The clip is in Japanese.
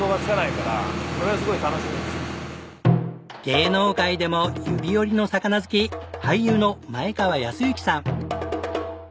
芸能界でも指折りの魚好き俳優の前川泰之さん。